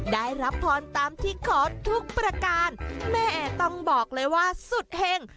ได้รับพรตามที่ขอทุกประการแม่ต้องบอกเลยว่าสุดเห็ง